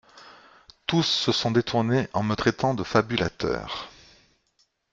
Tous se sont détournés en me traitant de fabulateur.